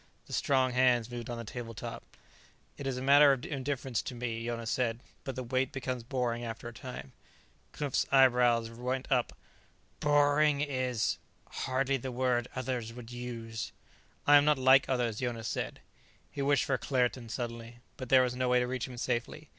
The strong hands moved on the tabletop. "It is a matter of indifference to me," Jonas said. "But the wait becomes boring, after a time." Knupf's eyebrows went up. "Boring is hardly the word others would use." "I am not like others," Jonas said. He wished for Claerten suddenly, but there was no way to reach him safely.